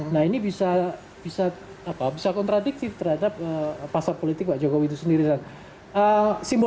nah ini bisa kontradiktif terhadap pasar politik pak jokowi itu sendiri